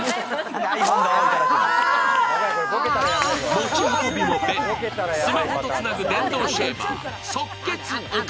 持ち運びも便利、スマホとつなぐ電動シェーバー。